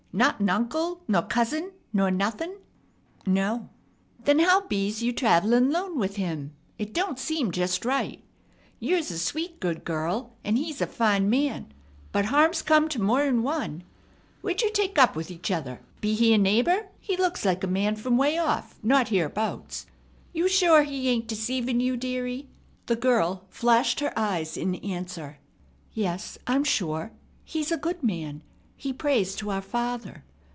Not an uncle nor cousin nor nothin'?" "No." "Then how be's you travellin' lone with him? It don't seem just right. You's a sweet, good girl; an' he's a fine man. But harm's come to more'n one. Where'd you take up with each other? Be he a neighbor? He looks like a man from way off, not hereabouts. You sure he ain't deceivin' you, dearie?" The girl flashed her eyes in answer. "Yes, I'm sure. He's a good man. He prays to our Father.